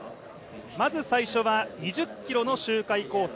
まず最初は２０ｋｍの周回コース